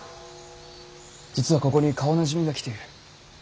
実はここに顔なじみが来ている。